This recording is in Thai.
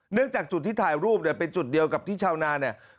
จากจุดที่ถ่ายรูปเนี่ยเป็นจุดเดียวกับที่ชาวนาเนี่ย